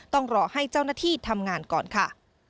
ต้องรอให้เจ้าหน้าที่ทำงานก่อนค่ะ